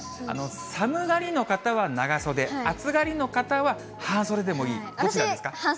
寒がりの方は長袖、暑がりの方は半袖でもいい、どちらですか？